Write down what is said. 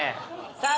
さあ